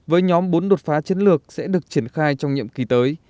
với nhóm bốn đột phá chiến lược sẽ được triển khai trong nhiệm kỳ tới